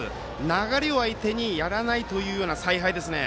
流れを相手にやらないという采配ですね。